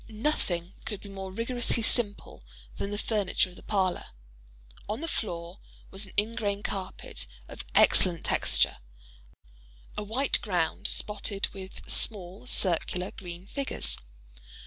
Nothing could be more rigorously simple than the furniture of the parlor. On the floor was an ingrain carpet, of excellent texture—a white ground, spotted with small circular green figures.